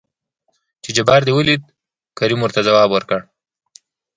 چې جبار دې ولېد؟ کريم ورته ځواب ورکړ.